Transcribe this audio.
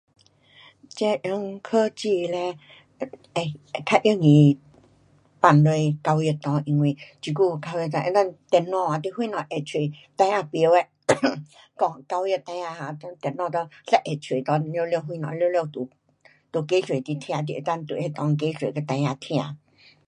这用科技嘞，会，会较容易放下教育内，因为这久教育哒能够电脑啊，你什么压出孩儿甭晓的， 教，教育孩儿啊，电脑内一压出完了什么完了都解释你听，你能够跟那内解释给孩儿听。